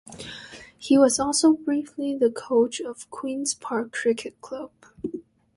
He was also briefly the coach of Queen's Park Cricket Club.